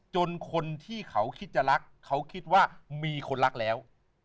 จนคนที่เขาคิดจะรักเขาคิดว่ามีคนรักแล้ว